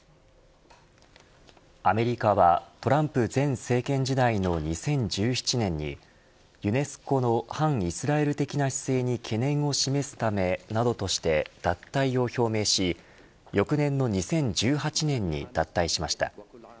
アメリカはトランプ前政権時代の２０１７年にユネスコの反イスラエル的な姿勢に懸念を示すためなどとして脱退を表明し翌年の２０１８年に脱退しました。